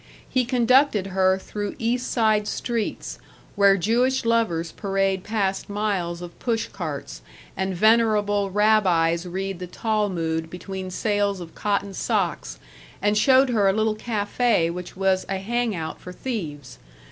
He conducted her through East Side streets, where Jewish lovers parade past miles of push carts and venerable Rabbis read the Talmud between sales of cotton socks, and showed her a little café which was a hang out for thieves.